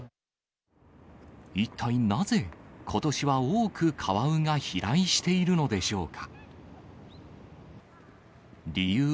一体なぜ、ことしは多くカワウが飛来しているのでしょうか。